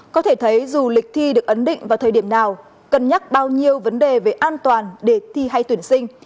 có thể thấy dù lịch thi được ấn định vào thời điểm nào cân nhắc bao nhiêu vấn đề về an toàn để thi hay tuyển sinh